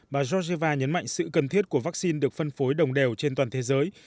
bà georgeiva nhấn mạnh sự cần thiết của vaccine được phân phối đồng đều trên toàn thế giới